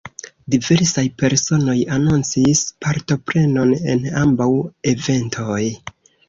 Diversaj personoj anoncis partoprenon en ambaŭ eventoj.